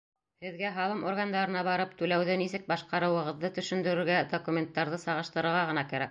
Һеҙгә һалым органдарына барып, түләүҙе нисек башҡарыуығыҙҙы төшөндөрөргә, документтарҙы сағыштырырға ғына кәрәк.